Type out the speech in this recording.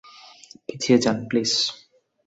পিছিয়ে যান, প্লিজ।